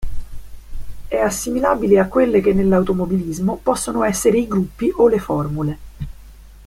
È assimilabile a quelle che nell'automobilismo possono essere i Gruppi o le Formule.